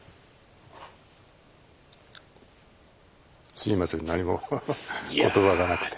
すいません何も言葉がなくて。